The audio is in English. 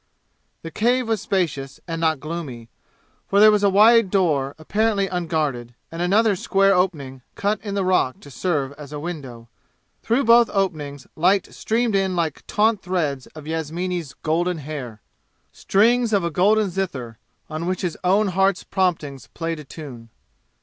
The cave was spacious and not gloomy, for there was a wide door, apparently unguarded, and another square opening cut in the rock to serve as a window. Through both openings light streamed in like taut threads of Yasmini's golden hair strings of a golden zither, on which his own heart's promptings played a tune.